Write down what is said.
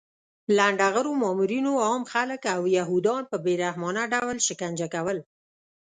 لنډغرو مامورینو عام خلک او یهودان په بې رحمانه ډول شکنجه کول